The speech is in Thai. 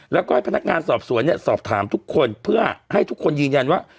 แล้วก็ให้พนักงานสอบสวนเนี่ยสอบถามทุกคนเพื่อให้ทุกคนยืนยันว่า